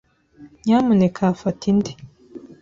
Nyamuneka fata indi.